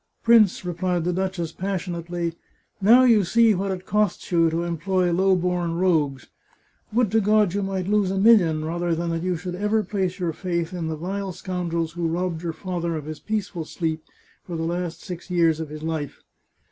" Prince," replied the duchess passionately, " now you see what it costs you to employ low born rogues I Would to God you might lose a million rather than that you should ever place your faith in the vile scoundrels who robbed your father of his peaceful sleep for the last six years of his reign